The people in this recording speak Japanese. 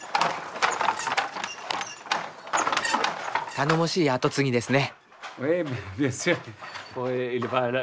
頼もしい後継ぎですね。